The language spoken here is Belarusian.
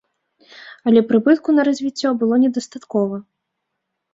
Але прыбытку на развіццё было недастаткова.